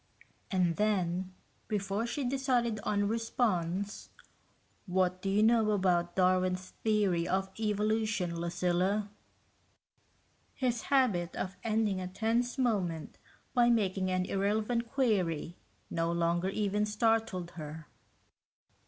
And then, before she had decided on a response, "What do you know about Darwin's theory of evolution, Lucilla?" His habit of ending a tense moment by making an irrelevant query no longer even startled her.